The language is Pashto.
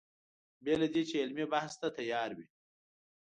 بې له دې چې علمي بحث ته تیار وي.